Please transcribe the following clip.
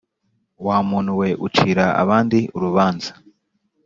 wa muntu we ucira abandi urubanza.